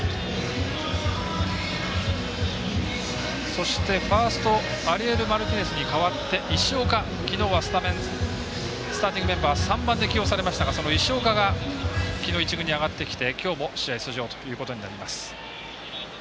そして、ファーストアリエル・マルティネスに代わって石岡、きのうはスターティングメンバー３番で起用されましたがその石岡がきのう、１軍に上がってきてきょうも試合出場ということになります。